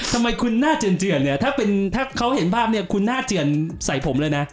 ทำไมคุณหน้าเจือนเจือนเนี่ยถ้าเป็นถ้าเขาเห็นบ้านคุณหน้าเจือนใส่ผมเลยนะ